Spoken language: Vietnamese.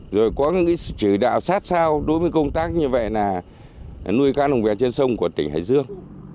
rồi có những cái trừ đạo sát sao đối với công tác như vậy là nuôi cá lồng vẹn trên sông của tỉnh hải dương